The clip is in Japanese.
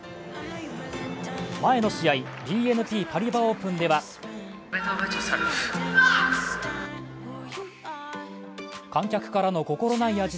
前の試合、ＢＮＰパリバ・オープンでは観客からの心ない